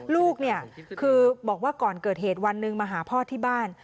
ลูกเนี่ยคือบอกว่าก่อนเกิดเหตุวันหนึ่งมาหาพ่อที่บ้าน